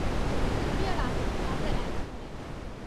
তুমি আর আমি, আমরা এক নই।